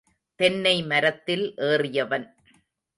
தென்னை மரத்தில் ஏறியவன்.